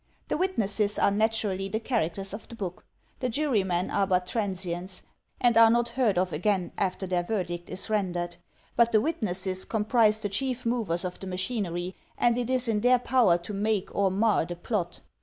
The witnesses are naturally the characters of the book. The jurymen are but transients, and are not heard of again after their verdict is rendered. But the witnesses comprise the chief movers of the machinery and it is in their power to make or mar the plot.